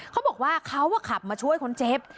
เขาบอกว่าเขาขับมาช่วยคนเจ็บ